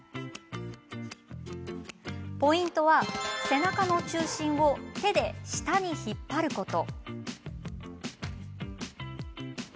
ポイントは、背中の中心を手で下に引っ張ること。